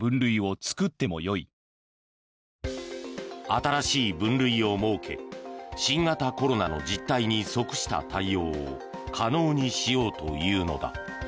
新しい分類を設け新型コロナの実態に即した対応を可能にしようというのだ。